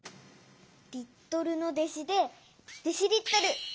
リットルの弟子でデシリットル。